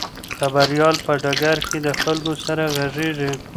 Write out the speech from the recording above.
خبریال په ډګر کې د خلکو سره غږیږي.